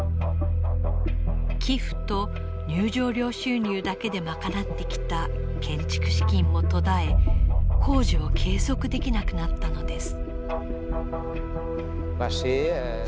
寄付と入場料収入だけで賄ってきた建築資金も途絶え工事を継続できなくなったのです。